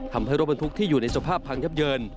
ทำให้รถบรรทุกที่อยู่ในสภาพพังยับเยิน